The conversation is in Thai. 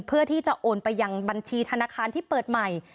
เพื่อที่จะโอนไปยังบัญชีธนาคารที่เปิดใหม่